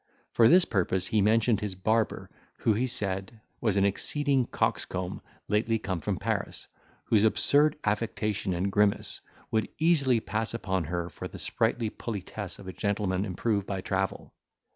For this purpose he mentioned his barber who he said, was an exceeding coxcomb lately come from Paris, whose absurd affectation and grimace, would easily pass upon her for the sprightly politesse of a gentleman improved by travel.